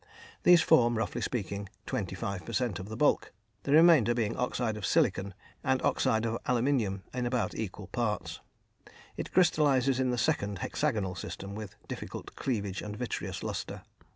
These form, roughly speaking, 25 per cent. of the bulk, the remainder being oxide of silicon and oxide of aluminium in about equal parts. It crystallises in the 2nd (hexagonal) system, with difficult cleavage and vitreous lustre.